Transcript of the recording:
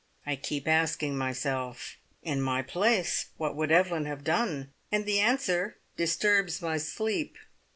"I keep asking myself, `In my place, what would Evelyn have done?' and the answer disturbs my sleep.